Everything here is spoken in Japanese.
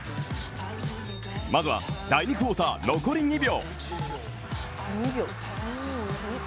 まずは第２クオーター残り２秒。